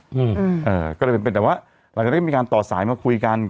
อืมเอ่อก็เลยเป็นเป็นแต่ว่าหลังจากได้มีการต่อสายมาคุยกัน